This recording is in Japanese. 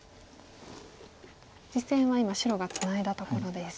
実戦は今白がツナいだところです。